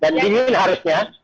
dan dingin harusnya